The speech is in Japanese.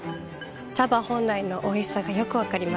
茶葉本来のおいしさがよく分かります。